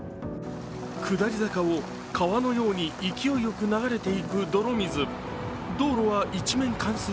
下り坂を川のように勢いよく流れていく泥水。